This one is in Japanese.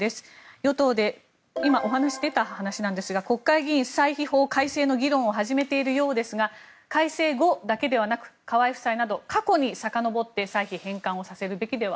与党で今、出た話ですが国会議員歳費法改正の議論を始めているようですが改正後だけではなく河井夫妻など過去にさかのぼって歳費返還をさせるべきでは。